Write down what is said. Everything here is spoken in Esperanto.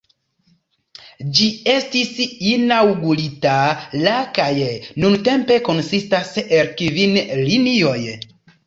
Ĝi estis inaŭgurita la kaj nuntempe konsistas el kvin linioj.